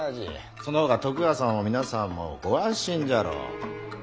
その方が徳川様も皆様もご安心じゃろう。